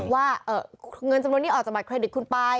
ว่าเงินจำนวนนี้ออกจากบัตเครดิตคุณไป